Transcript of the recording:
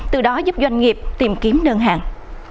từ đó giúp doanh nghiệp tìm kiếm đơn hàng